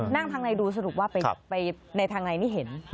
นั่งทางในดูสรุปว่าไปในทางไงนี่เห็น